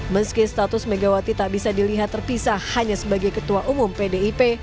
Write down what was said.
meski status megawati tak bisa dilihat terpisah hanya sebagai ketua umum pdip